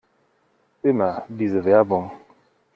Immer diese Werbung!